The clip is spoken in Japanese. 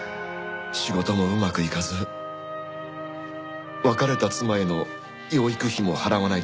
仕事もうまくいかず別れた妻への養育費も払わないといけなかったから。